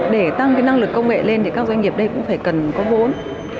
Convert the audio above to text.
để tăng năng lực công nghệ lên thì các doanh nghiệp đây cũng phải cần có vốn